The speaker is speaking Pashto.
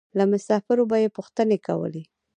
له مسافرو به یې پوښتنې کولې.